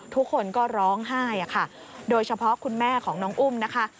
ทุกคนก็ร้องไห้ค่ะโดยเฉพาะคุณแม่ของน้องอุ้มนะคะ